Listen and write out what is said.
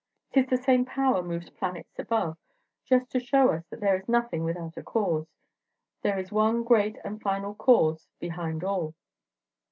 'T is the same power moves planets above, just to show us that as there is nothing without a cause, there is one great and final 'Cause' behind all."